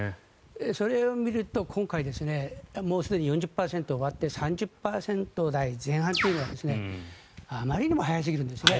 それを見ると今回もうすでに４０％を割って３０％台前半というのはあまりにも早すぎるんですね。